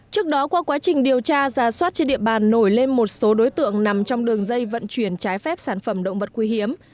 trước đó qua quá trình điều tra giả soát trên địa bàn nổi lên một số đối tượng nằm trong đường dây vận chuyển trái phép sản phẩm động vật quý hiếm